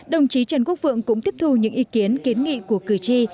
đồng chí trần quốc vượng cũng tiếp thu những ý kiến kiến nghị của cử tri